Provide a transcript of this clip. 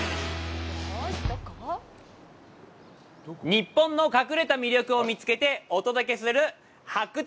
日本の隠れた魅力を見つけてお届けする「発掘！